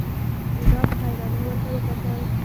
بوډا په حيرانۍ ورته وکتل.